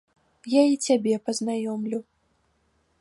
Я і цябе пазнаёмлю.